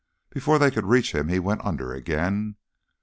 Before they could reach him he went under again.